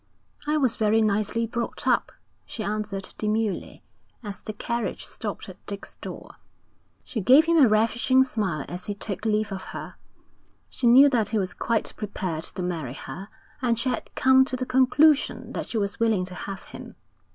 'I was very nicely brought up,' she answered demurely, as the carriage stopped at Dick's door. She gave him a ravishing smile as he took leave of her. She knew that he was quite prepared to marry her, and she had come to the conclusion that she was willing to have him.